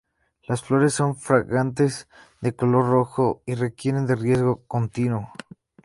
Las flores son fragantes, de color rojo y requieren de riego continuo.